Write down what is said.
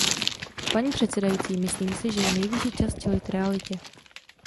Paní předsedající, myslím si, že je nejvyšší čas čelit realitě.